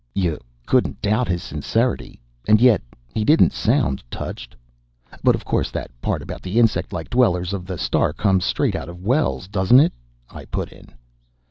"You couldn't doubt his sincerity. And yet he didn't sound touched." "But, of course, that part about the insect like dwellers of the star comes straight out of Wells, doesn't it?" I put in.